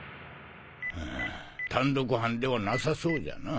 ウム単独犯ではなさそうじゃな。